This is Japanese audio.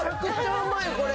うまいこれ！